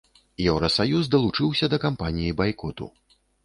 Еўрасаюз далучыўся да кампаніі байкоту.